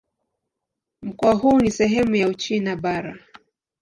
Mkoa huu ni sehemu ya Uchina Bara.